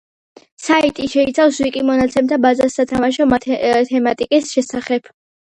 საიტი შეიცავს ვიკი მონაცემთა ბაზას სათამაშო თემატიკის შესახებ.